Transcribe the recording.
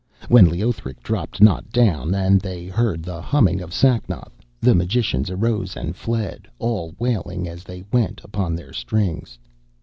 When Leothric dropped not down, and they heard the humming of Sacnoth, the magicians arose and fled, all wailing, as they went, upon their strings.